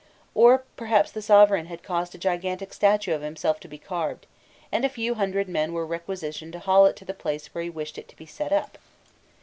Or perhaps the sovereign had caused a gigantic statue of himself to be carved, and a few hundred men were requisitioned to haul it to the place where he wished it to be set up.